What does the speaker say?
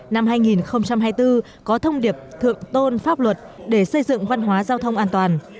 năm hai nghìn hai mươi bốn có thông điệp thượng tôn pháp luật để xây dựng văn hóa giao thông an toàn